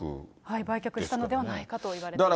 売却したのではないかといわれています。